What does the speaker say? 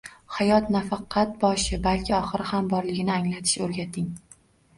Hayot nafaqat boshi, balki oxiri ham borligini anglatish o'rgating.